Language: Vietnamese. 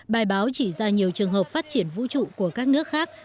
bài báo chỉ ra nhiều trường hợp phát triển vũ trụ của các nước khác